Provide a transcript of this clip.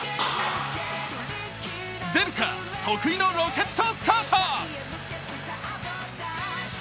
出るか、得意のロケットスタート。